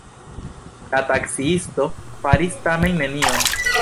La taksiisto faris tamen nenion.